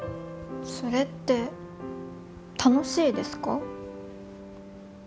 それって楽しいですか？